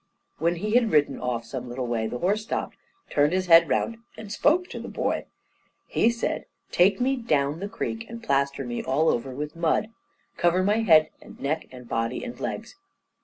When he had ridden off some little way the horse stopped and turned his head round, and spoke to the boy. He said, "Take me down the creek, and plaster me all over with mud. Cover my head and neck and body and legs."